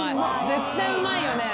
絶対うまいよね